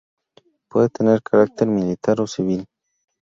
Puede tener carácter militar o civil.